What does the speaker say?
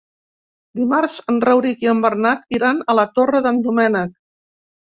Dimarts en Rauric i en Bernat iran a la Torre d'en Doménec.